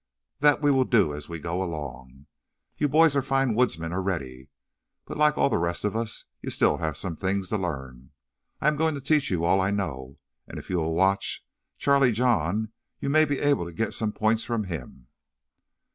That we will do as we go along. You boys are fine woodsmen already, but like all the rest of us, you still have some things to learn. I am going to teach you all I know, and if you will watch Charlie John you may be able to get some points from him."